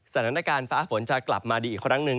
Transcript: สถานการณ์ฟ้าฝนจะกลับมาดีอีกครั้งหนึ่ง